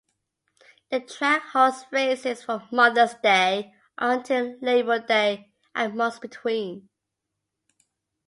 The track holds races from Mother's Day until Labor Day and most between.